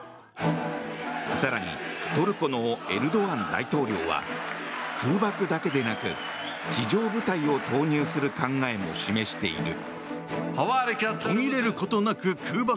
更にトルコのエルドアン大統領は空爆だけでなく地上部隊を投入する考えも示している。